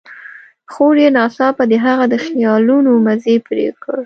خور يې ناڅاپه د هغه د خيالونو مزی پرې کړ.